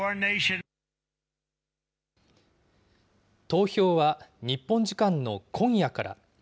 投票は日本時間の今夜から。